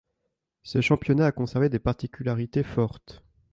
Ce championnat a conservé des particularités fortes.